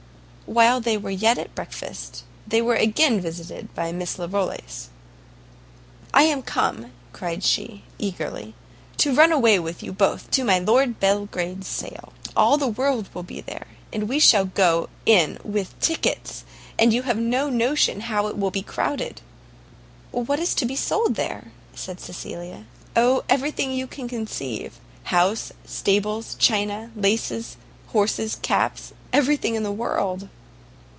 While they were yet at breakfast, they were again visited by Miss Larolles. "I am come," cried she, eagerly, "to run away with you both to my Lord Belgrade's sale. All the world will be there; and we shall go in with tickets, and you have no notion how it will be crowded." "What is to be sold there?" said Cecilia. "Oh, every thing you can conceive; house, stables, china, laces, horses, caps, everything in the world."